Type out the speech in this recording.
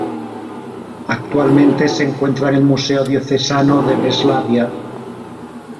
Actualmente se encuentra en el museo diocesano de Breslavia.